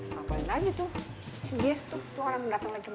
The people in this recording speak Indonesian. ngapain aja tuh sedih tuh orang datang lagi kemari